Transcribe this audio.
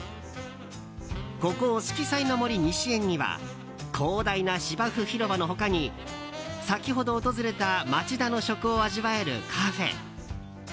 ここ四季彩の杜西園には広大な芝生広場の他に先ほど訪れた町田の食を味わえるカフェ。